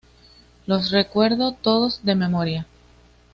Los recuerdo todos de memoria'".